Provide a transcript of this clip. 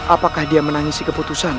apakah dia menangis di keputusan